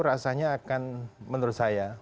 rasanya akan menurut saya